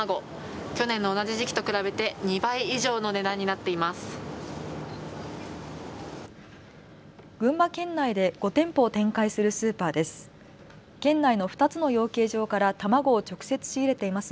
去年の同じ時期と比べて２倍以上の値段になっています。